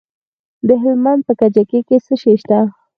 د هلمند په کجکي کې څه شی شته؟